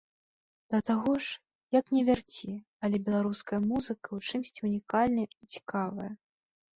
Да таго ж, як не вярці, але беларуская музыка ў чымсьці ўнікальная і цікавая.